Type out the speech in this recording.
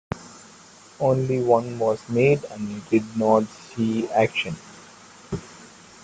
Only one was made and it did not see action.